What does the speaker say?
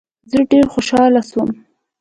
زه ډیر خوشحاله سوم.